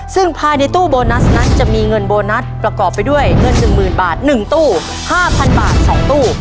ซึ่งภายในตู้โบนัสนั้นจะมีเงินโบนัสประกอบไปด้วยเงิน๑๐๐๐บาท๑ตู้๕๐๐บาท๒ตู้